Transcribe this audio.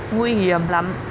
nguy hiểm lắm